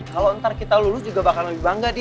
kalau ntar kita lulus juga bakal lebih bangga nih